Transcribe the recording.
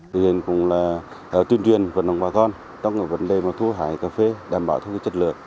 huyện cũng là tuyên truyền vận động bà con trong vấn đề thu hải cà phê đảm bảo theo chất lượng